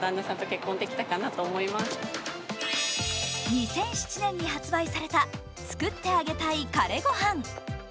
２００７年に発売された「作ってあげたい彼ごはん」。